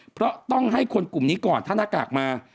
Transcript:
เพราะต้องให้คนกลุ่มนี้ก่อนถ้าหน้ากากมา